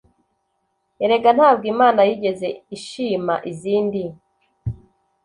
erega ntabwo imana yigeze ishima izindi